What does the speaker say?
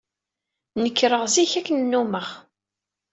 Nekreɣ zik, akken nnummeɣ.